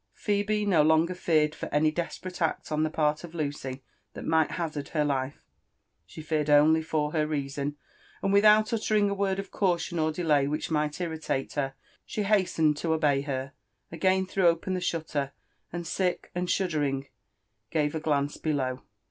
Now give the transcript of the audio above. Phebe no longer feared for any desperate act on the part of Lucy that might hazard her life ; she feared only for her reason ; and with out uttering a word of caution or delay which might irritate her, she JONATHAN JEFBTRSON VVHITLAW. 311 hasteped to obey her, again threw open the shulter» and, sick and shuddering, gave a glance below.